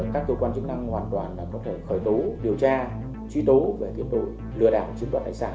các cơ quan chức năng hoàn toàn có thể khởi tố điều tra truy tố về tội lừa đảo chiếm đoạt tài sản